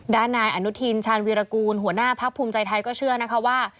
ด้านนายอนุทินชาญวีรกูลหัวหน้าพักภูมิใจไทยก็เชื่อนะคะว่า